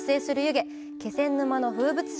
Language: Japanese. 気仙沼の風物詩